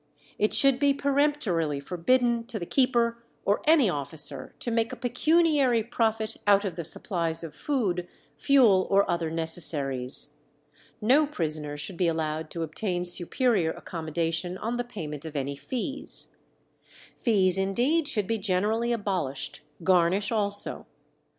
It should be peremptorily forbidden to the keeper or any officer to make a pecuniary profit out of the supplies of food, fuel, or other necessaries. No prisoner should be allowed to obtain superior accommodation on the payment of any fees. Fees indeed should be generally abolished, garnish also.